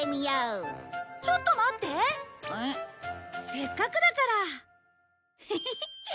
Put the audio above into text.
せっかくだからヘヘヘ。